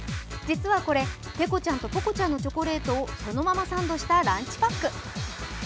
実はこれ、ペコちゃんとポコちゃんのチョコレートをそのままサンドしたランチパック。